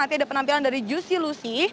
nanti ada penampilan dari juicy lucy